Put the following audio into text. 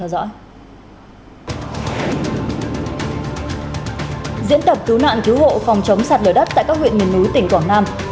diễn tập cứu nạn cứu hộ phòng chống sạt lở đất tại các huyện miền núi tỉnh quảng nam